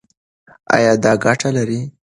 ایا دا ګټه لري؟